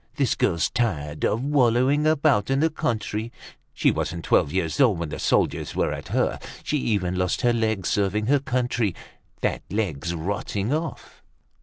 This girl's tired of wallowing about in the country; she wasn't twelve years old when the soldiers were at her. She even lost her leg serving her country. That leg's rotting off."